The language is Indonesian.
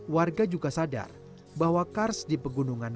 warga juga sadar bahwa kars di pegunungan